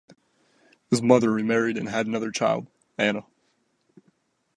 His mother remarried and had another child, Anna.